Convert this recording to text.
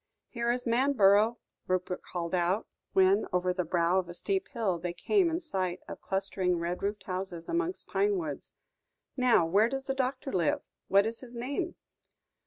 "Here is Manborough," Rupert called out, when, over the brow of a steep hill, they came in sight of clustering red roofed houses amongst pine woods; "now where does the doctor live? What is his name?"